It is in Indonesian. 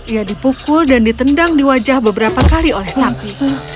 ia dipukul dan ditendang di wajah beberapa kali oleh sapi